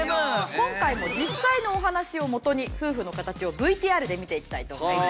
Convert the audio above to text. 今回も実際のお話を元に夫婦のカタチをＶＴＲで見ていきたいと思います。